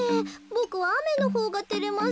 ボクはあめのほうがてれます。